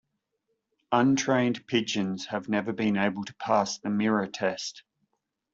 Untrained pigeons have never been able to pass the mirror test.